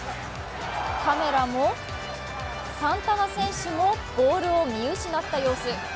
カメラもサンタナ選手もボールを見失った様子。